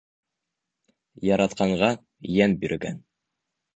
Яратҡанға йән биргән.